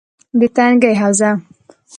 - د تنگي حوزه: